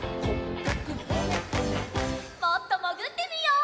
もっともぐってみよう。